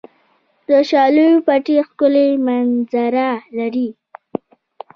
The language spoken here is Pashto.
د شالیو پټي ښکلې منظره لري.